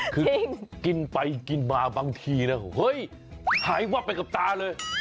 คือกินไปกินมาบางทีหายวักไปกับตาเลย